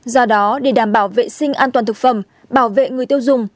do đó để đảm bảo vệ sinh an toàn thực phẩm bảo vệ người tiêu dùng